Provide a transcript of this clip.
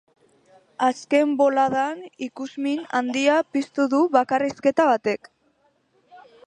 Azken boladan ikusmin handia piztu du bakarrizketa batek.